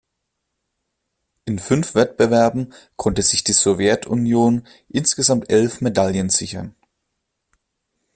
In fünf Wettbewerben konnte sich die Sowjetunion insgesamt elf Medaillen sichern.